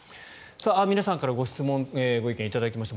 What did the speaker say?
皆さんからご質問・ご意見頂きました。